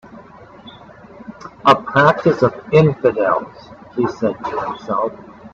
"A practice of infidels," he said to himself.